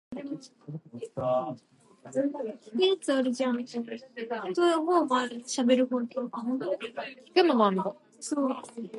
The factor comes from Fourier transform conventions.